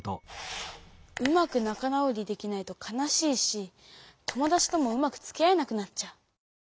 うまく仲直りできないと悲しいし友だちともうまくつき合えなくなっちゃう。